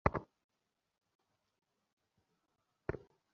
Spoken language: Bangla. মিক, আমাদের সমস্ত সাক্ষীদের কাছ থেকে বিস্তারিত বিবরণ দরকার।